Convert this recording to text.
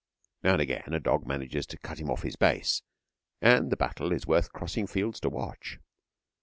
Now and again a dog manages to cut him off his base, and the battle is worth crossing fields to watch.